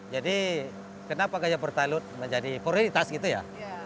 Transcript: jadi kenapa gajah betalut menjadi prioritas gitu ya